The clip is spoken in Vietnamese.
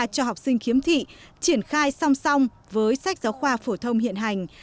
cho học sinh khiếm thị triển khai song song với sách giáo khoa phổ thông hiện hành